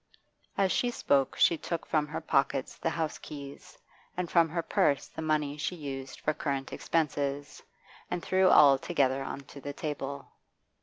As she spoke she took from her pockets the house keys, and from her purse the money she used for current expenses, and threw all together on to the table.